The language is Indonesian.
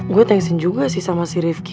gue thanks in juga sih sama si rifqi